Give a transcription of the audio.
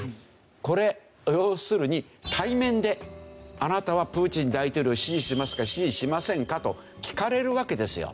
これ要するに対面であなたはプーチン大統領を支持しますか支持しませんかと聞かれるわけですよ。